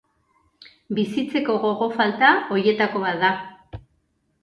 Bizitzeko gogo falta horietako bat da.